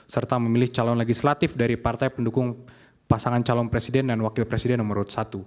serta memilih calon legislatif dari partai pendukung pasangan calon presiden dan wakil presiden nomor satu